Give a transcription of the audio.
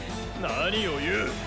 何を言う！